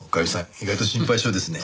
意外と心配性ですね。